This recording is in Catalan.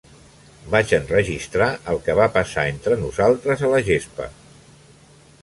Vaig enregistrar el que va passar entre nosaltres a la gespa.